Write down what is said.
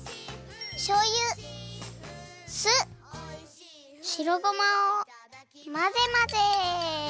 しょうゆ酢白ごまをまぜまぜ。